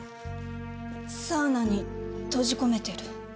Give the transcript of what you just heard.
サウナに閉じ込めてる。